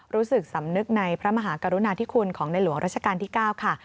รู้สึกสำนึกในพระมหากรุณาธิคุณของในหลวงราชการที่๙ค่ะ